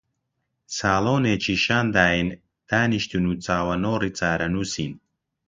ساڵۆنێکی شان داین، دانیشتین و چاوەنۆڕی چارەنووسین